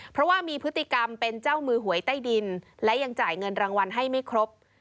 เพราะว่ามีพฤติกรรมเป็นเจ้ามือหวยใต้ดินและยังจ่ายเงินรางวัลให้ไม่ครบ